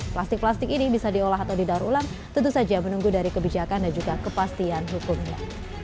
plastik plastik ini bisa diolah atau didaur ulang tentu saja menunggu dari kebijakan dan juga kepastian hukumnya